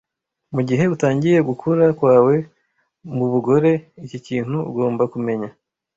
Mugihe utangiye gukura kwawe mubugore, iki kintu ugomba kumenya,